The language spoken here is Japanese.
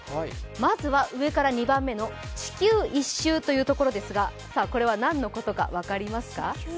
まずは上から２番目の地球一周というところですが、これは何のことか分かりますか？